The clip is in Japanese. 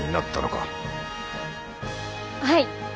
はい。